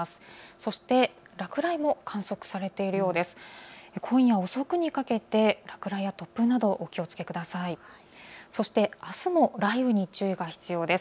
そして落雷も観測されているようです。